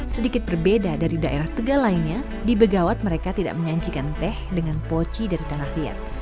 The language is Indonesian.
sedikit berbeda dari daerah tegal lainnya di begawat mereka tidak menyajikan teh dengan poci dari tanah liat